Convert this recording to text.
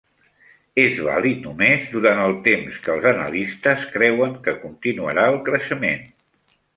És vàlid només durant el temps que els analistes creuen que continuarà el creixement.